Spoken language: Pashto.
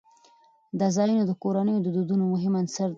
دا ځایونه د کورنیو د دودونو مهم عنصر دی.